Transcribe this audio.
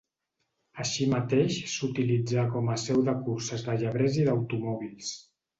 Així mateix s'utilitzà com a seu de curses de llebrers i d'automòbils.